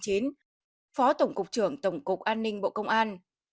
phó tổng cục trưởng tổng cục an ninh bộ công an